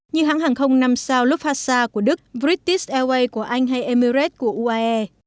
như hãng hàng không năm sao lufasa của đức british airways của anh hay emirates của uae